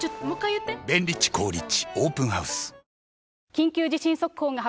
緊急地震速報です。